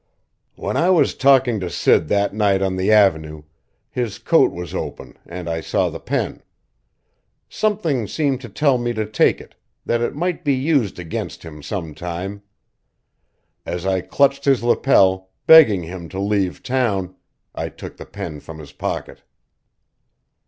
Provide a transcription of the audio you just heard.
"When I was talking to Sid that night on the Avenue, his coat was open and I saw the pen. Something seemed to tell me to take it, that it might be used against him some time. As I clutched his lapel, begging him to leave town, I took the pen from his pocket."